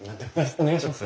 お願いします。